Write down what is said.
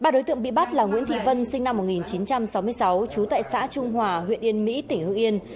ba đối tượng bị bắt là nguyễn thị vân sinh năm một nghìn chín trăm sáu mươi sáu trú tại xã trung hòa huyện yên mỹ tỉnh hương yên